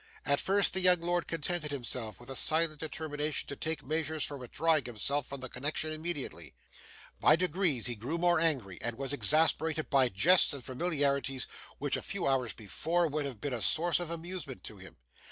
At first, the young lord contented himself with a silent determination to take measures for withdrawing himself from the connection immediately. By degrees, he grew more angry, and was exasperated by jests and familiarities which, a few hours before, would have been a source of amusement to him.